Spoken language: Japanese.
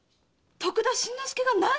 「徳田新之助」がない⁉